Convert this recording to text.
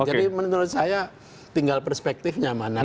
jadi menurut saya tinggal perspektifnya mana